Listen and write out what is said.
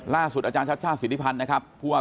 ล่าสุดอชาชาติสินพันธ์นะครับ